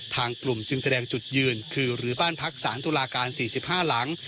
ทางกลุ่มจึงแสดงจุดยืนคือหรือบ้านพักสารตุลาการ๔๕หลัง